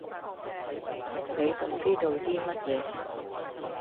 你仲知道啲乜野？